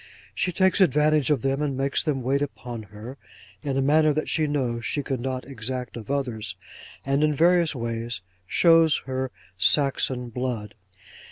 She takes advantage of them, and makes them wait upon her, in a manner that she knows she could not exact of others; and in various ways shows her Saxon blood.